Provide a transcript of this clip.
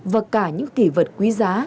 và cả những kỷ vật quý giá